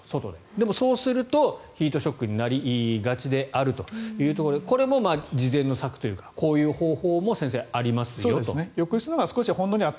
でも、そうするとヒートショックになりがちであるというところでこれも次善策というかこういう方法も浴室のほうがほんのりと